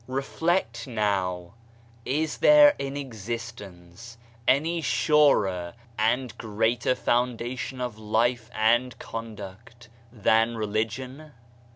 Reflect now, is there in existence any surer and greater foundation of life and conduct than re ligion?